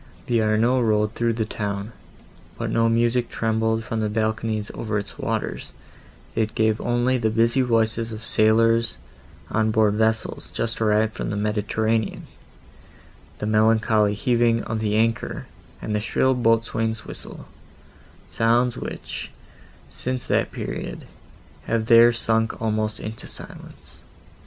The Arno rolled through the town, but no music trembled from balconies over its waters; it gave only the busy voices of sailors on board vessels just arrived from the Mediterranean; the melancholy heaving of the anchor, and the shrill boatswain's whistle;—sounds, which, since that period, have there sunk almost into silence.